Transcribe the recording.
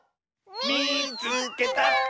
「みいつけた！」。